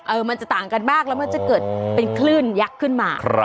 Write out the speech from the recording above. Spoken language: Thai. มันจะต่างกันมากแล้วมันจะเกิดเป็นคลื่นยักษ์ขึ้นมา